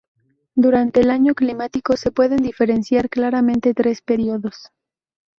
Durante el año climático se pueden diferenciar claramente tres períodos.